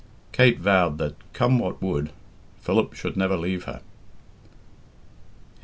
Kate vowed that, come what would, Philip should never leave her. XX.